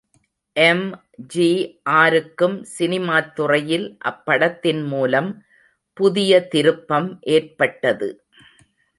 எம்.ஜி.ஆருக்கும் சினிமாத் துறையில் அப்படத்தின் மூலம் புதிய திருப்பம் ஏற்பட்டது.